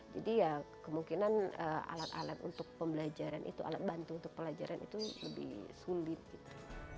ya kemungkinan alat alat untuk pembelajaran itu alat bantu untuk pelajaran itu lebih sulit gitu